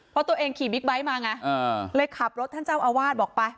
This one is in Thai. เพราะตัวเองขี่บิ๊กไบท์มาไงเลยขับรถท่านเจ้าอาวาสบอกไป